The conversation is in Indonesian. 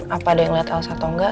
apa ada yang liat elsa atau enggak